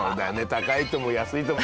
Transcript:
高いとも安いとも。